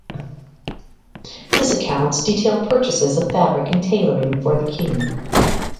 His accounts detail purchases of fabric and tailoring for the king.